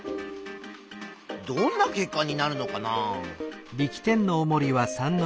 どんな結果になるのかな？